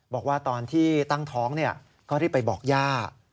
บอกว่าตอนที่ตั้งท้องก็รีบไปบอกย่า